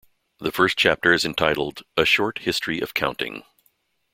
The first chapter is entitled "A Short History of Counting".